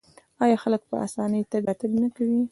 آیا خلک په اسانۍ تګ راتګ نه کوي؟